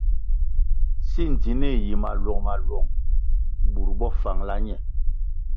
Si ndzinih yi maluong-maluong bur bo fangala ñe.